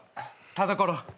田所。